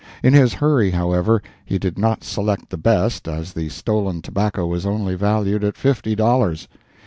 In his hurry, however, he did not select the best, as the stolen tobacco was only valued at fifty dollars.